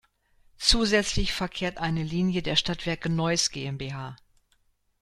Zusätzlich verkehrt eine Linie der Stadtwerke Neuss GmbH.